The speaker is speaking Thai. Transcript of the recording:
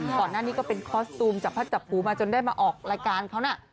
ก่อนหน้านี้ก็เป็นคอสตูมจับพัดจับหูมาจนได้มาออกรายการเขานะ